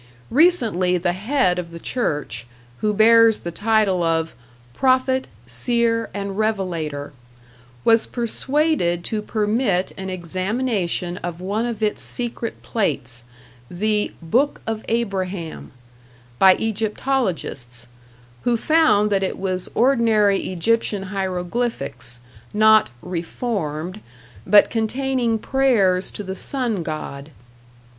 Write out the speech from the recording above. Recently the head of the church, who bears the title of "Prophet, Seer and Revelator", was persuaded to permit an examination of one of its secret plates, the "Book of Abraham", by egyptologists, who found that it was ordinary Egyptian hieroglyphics, not "reformed", but containing prayers to the sun god.